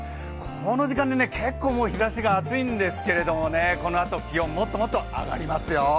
この時間で結構日ざしが熱いんですけどね、このあと、気温もっともっと上がりますよ。